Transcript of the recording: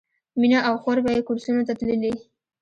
مینه او خور به یې کورسونو ته تللې